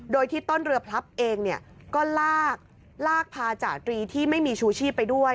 โดยที่ต้นเรือพลับเองเนี่ยก็ลากลากพาจาตรีที่ไม่มีชูชีพไปด้วย